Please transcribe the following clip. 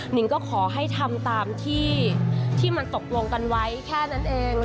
นิงก็ขอให้ทำตามที่มันตกลงกันไว้แค่นั้นเอง